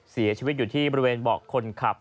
เสียชีวิตอยู่ที่บริเวณเบาะคนขับ